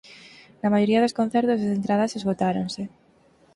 Na maioría dos concertos as entradas esgotáronse.